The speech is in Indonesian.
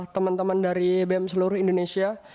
teman teman dari bem seluruh indonesia